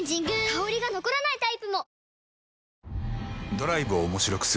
香りが残らないタイプも！